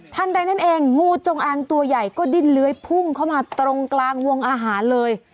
ใดนั่นเองงูจงอางตัวใหญ่ก็ดิ้นเลื้อยพุ่งเข้ามาตรงกลางวงอาหารเลย